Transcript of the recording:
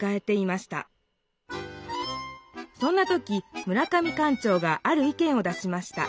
そんな時村上館長がある意見を出しました。